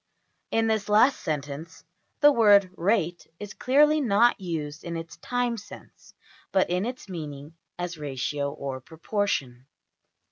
In this last sentence the word \emph{rate} is clearly not used in its time sense, but in its meaning as ratio or proportion.